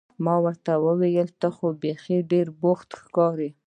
ما ورته وویل: ته خو بیخي ډېر بوخت ښکارې.